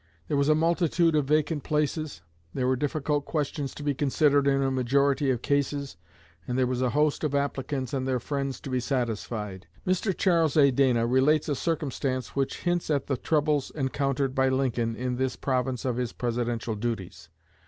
There was a multitude of vacant places, there were difficult questions to be considered in a majority of cases, and there was a host of applicants and their friends to be satisfied. Mr. Charles A. Dana relates a circumstance which hints at the troubles encountered by Lincoln in this province of his Presidential duties.